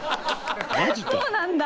そうなんだ。